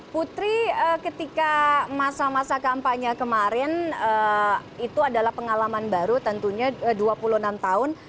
putri ketika masa masa kampanye kemarin itu adalah pengalaman baru tentunya dua puluh enam tahun